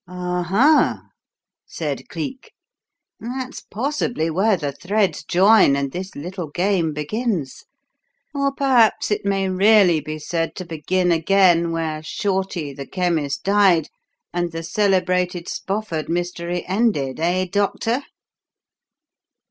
"Oho!" said Cleek. "That's possibly where the threads join and this little game begins. Or perhaps it may really be said to begin again where Shorty, the chemist, died, and the celebrated Spofford mystery ended eh, doctor?